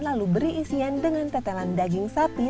lalu beri isian dengan tetelan daging sapi